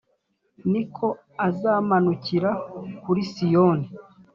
ni ko azamanukira kuri Siyoni,